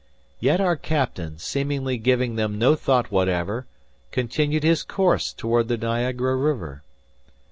Yet our captain, seemingly giving them no thought whatever, continued his course toward the Niagara River.